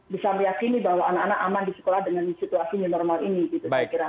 bisa meyakini bahwa anak anak aman di sekolah dengan situasi menormal ini